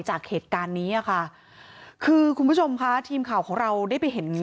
จากเหตุการณ์นี้อ่ะค่ะคือคุณผู้ชมค่ะทีมข่าวของเราได้ไปเห็น